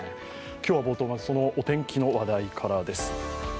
今日は冒頭、そのお天気の話題からです。